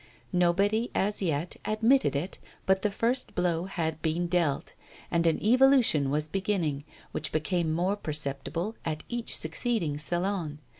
Nobody, as yet, admitted it, but the first blow had been dealt, and an evolution was beginning, which became more perceptible at each succeeding Salon.